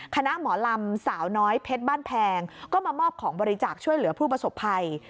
คณะหมอลำสาวน้อยเพชรบ้านแพงก็มามอบของบริจาคช่วยเหลือผู้ประสบภัย